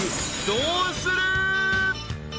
どうする？］